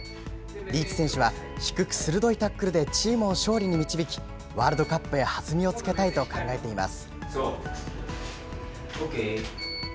リーチ選手は、低く鋭いタックルでチームを勝利に導き、ワールドカップへ弾みをつけたいと考えています。